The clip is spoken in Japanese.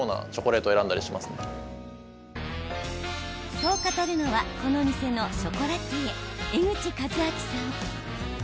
そう語るのはこの店のショコラティエ江口和明さん。